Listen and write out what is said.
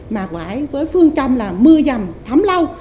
mà quải với phương trâm là mưa dầm thấm lâu